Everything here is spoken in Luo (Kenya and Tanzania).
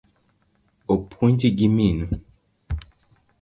Opuonji gi minu?